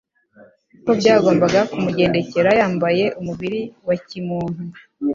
uko byagombaga kumugendekera yambaye umubiri wa kimuntu.